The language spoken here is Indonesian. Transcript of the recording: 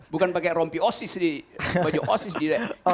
bukan pakai rompi osis di baju osis di